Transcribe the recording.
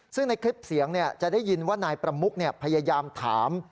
ซึ่งในคลิปเสียงจะได้ยินว่านายประมุกพยายามถาม